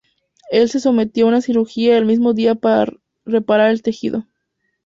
Él se sometió a una cirugía el mismo día para reparar el tejido.